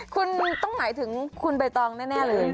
คุณต้องหมายถึงคุณใบตองแน่เลย